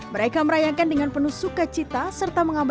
mereka merayakan dengan penuh sukacita